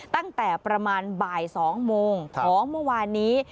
ตั้งแต่ประมาณบ่าย๒โมงของเมื่อวานนี้